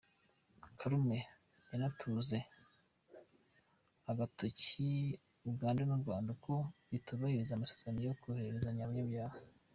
Kalume yanatuze agatoki Uganda n’u Rwanda ko bitubahiriza amasezerano yo kohererezanya abanyabyaha.